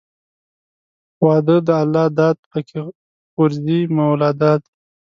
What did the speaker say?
واده د الله داد پکښې غورځي مولاداد.